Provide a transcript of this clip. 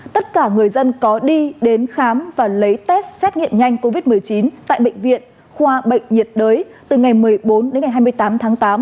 tất cả người dân có đi đến khám và lấy test xét nghiệm nhanh covid một mươi chín tại bệnh viện khoa bệnh nhiệt đới từ ngày một mươi bốn đến ngày hai mươi tám tháng tám